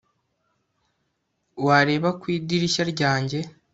Wareba ku idirishya ryanjye